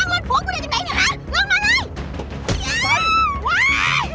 ลงมานี่ต้นไอ้ไส้นะมาดูนี่